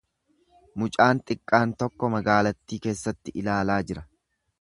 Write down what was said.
Mucaan xiqqaan tokko magaalattii keessatti ilaalaa jira.